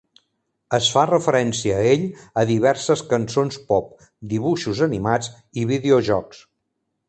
Es fa referència a ell a diverses cançons pop, dibuixos animats i videojocs.